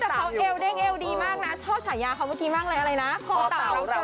เอาดีมากน่ะชอบฉายาเขาเมื่อกี้บ้างแล้วอะไรน่ะขอต่อแล้วใจอ๋อ